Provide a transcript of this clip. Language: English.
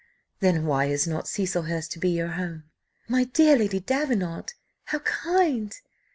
"Then why is not Cecilhurst to be your home?" "My dear Lady Davenant! how kind!